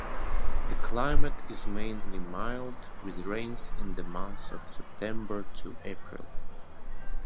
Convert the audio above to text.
The climate is mainly mild with rains in the months of September to April.